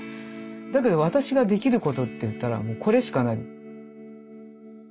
だけど私ができることっていったらこれしかない。